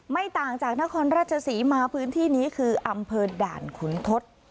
ไม่ต่างจากนครราชศรีมาพื้นที่นี้คืออำเภอด่านขุนทศ